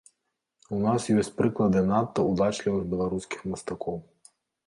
У нас ёсць прыклады надта ўдачлівых беларускіх мастакоў.